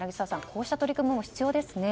こうした取り組みも必要ですね。